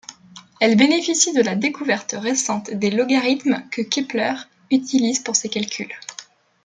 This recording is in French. Elles bénéficient de la découverte récente des logarithmes que Kepler utilise pour ses calculs.